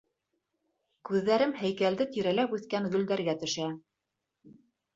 Күҙҙәрем һәйкәлде тирәләп үҫкән гөлдәргә төшә.